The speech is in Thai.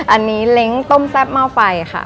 อันนี้เล้งต้มแซ่บหม้อไฟค่ะ